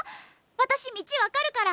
私道分かるから。